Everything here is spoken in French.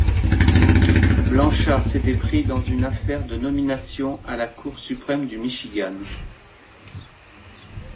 Blanchard s'était pris dans une affaire de nomination à la cour suprême du Michigan.